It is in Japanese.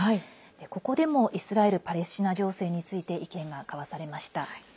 ここでも、イスラエルパレスチナ情勢について意見が交わされました。